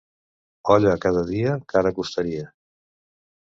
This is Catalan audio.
Olla cada dia cara costaria.